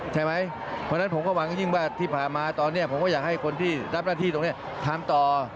เพราะฉะนั้นผมก็หวังยิ่งว่าที่ผ่านมาตอนนี้ผมก็อยากให้คนที่รับหน้าที่ตรงนี้ทำต่อ